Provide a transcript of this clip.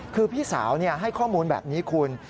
คือพี่สาวให้ข้อมูลแบบนี้คุณ